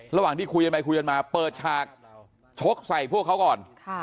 ระหว่างที่คุยกันไปคุยกันมาเปิดฉากชกใส่พวกเขาก่อน